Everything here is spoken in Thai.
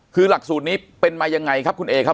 คือหลักสูตรนี้เป็นมายังไงครับคุณเอครับ